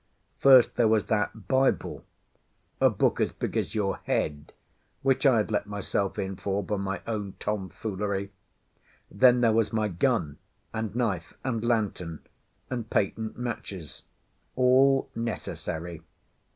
First there was that Bible, a book as big as your head, which I had let myself in for by my own tomfoolery. Then there was my gun, and knife, and lantern, and patent matches, all necessary.